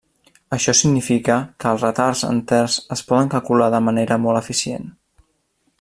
Això significa que els retards enters es poden calcular de manera molt eficient.